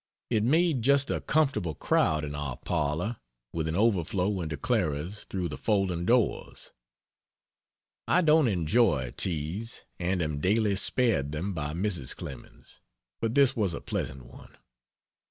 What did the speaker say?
It made just a comfortable crowd in our parlor, with an overflow into Clara's through the folding doors. I don't enjoy teas, and am daily spared them by Mrs. Clemens, but this was a pleasant one.